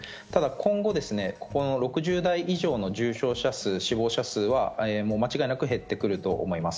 今後、６０代以上の重症者数、死亡者数は間違いなく減ってくると思います。